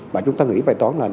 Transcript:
và chúng ta nghĩ vài toán là